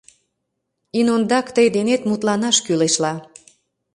Ин ондак тый денет мутланаш кӱлешла.